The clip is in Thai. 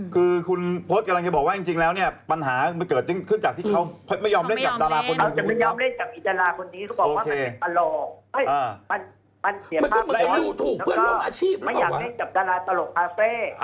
คุณเป็นผู้ชายคุณอย่าพูดคำว่าฉันนะคุณต้องพูดผมนะ